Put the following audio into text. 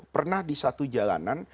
pernah di satu jalanan